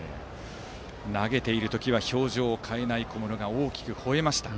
投げている時は表情を変えない小室が大きくほえました。